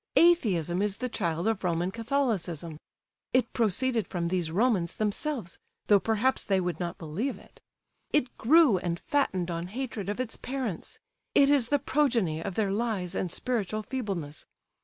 Atheism is the child of Roman Catholicism—it proceeded from these Romans themselves, though perhaps they would not believe it. It grew and fattened on hatred of its parents; it is the progeny of their lies and spiritual feebleness.